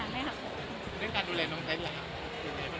เรื่องการดูแลน้องเต็นต์เหรอครับ